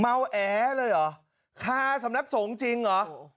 เมาแอเลยอ่ะค่าสำนักสงฆ์จริงอ่ะโอ้โห